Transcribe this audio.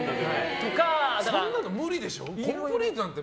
そんなの無理でしょ？